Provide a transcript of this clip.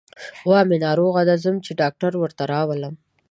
غوا مې ناروغه ده، ځم چې ډاکټر ورته راولم.